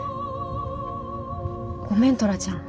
ごめんトラちゃん。